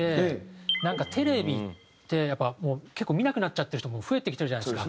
なんかテレビってやっぱ結構見なくなっちゃってる人も増えてきてるじゃないですか。